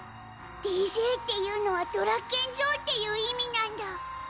ＤＪっていうのはドラッケン・ジョーっていう意味なんだ。